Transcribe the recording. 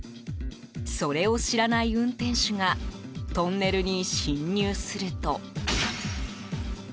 それを知らない運転手がトンネルに進入すると。